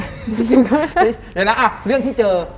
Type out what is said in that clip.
เดี๋ยวนะเรื่องที่เจอ